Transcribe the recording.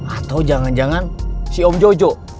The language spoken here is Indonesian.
atau jangan jangan si om jojo